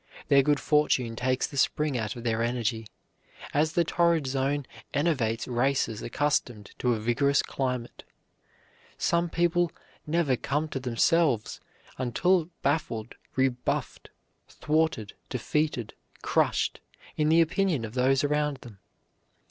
Their good fortune takes the spring out of their energy, as the torrid zone enervates races accustomed to a vigorous climate. Some people never come to themselves until baffled, rebuffed, thwarted, defeated, crushed, in the opinion of those around them.